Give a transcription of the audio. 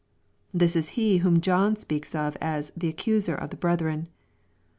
This is he whom John speaks of as the accuser of the brethren."